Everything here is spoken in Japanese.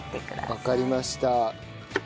わかりました。